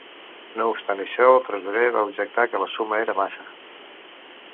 No obstant això, el tresorer, va objectar que la suma era massa.